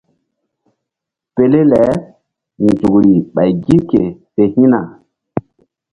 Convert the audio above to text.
Pele le nzukri ɓay gi ke fe hi̧na.